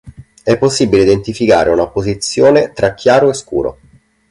È possibile identificare una opposizione tra chiaro e scuro.